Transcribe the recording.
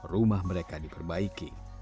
rumah mereka diperbaiki